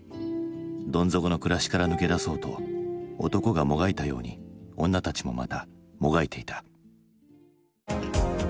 どん底の暮らしから抜け出そうと男がもがいたように女たちもまたもがいていた。